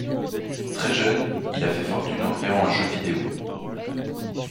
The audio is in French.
Très jeune, il a fait fortune en créant un jeu vidéo...